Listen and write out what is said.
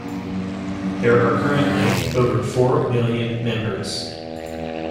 There are currently over four million members.